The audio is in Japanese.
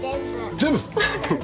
全部！